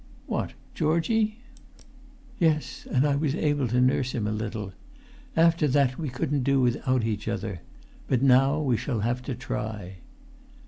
"What—Georgie?" "Yes, and I was able to nurse him a little. And after that we couldn't do without each other. But now we shall have to try."